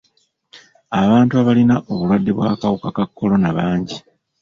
Abantu abalina obulwadde bw'akawuka ka kolona bangi.